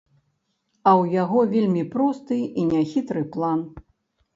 А ў яго вельмі просты і няхітры план.